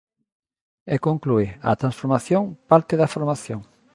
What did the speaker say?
E conclúe: A transformación parte da formación.